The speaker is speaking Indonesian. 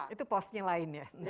itu postnya lain ya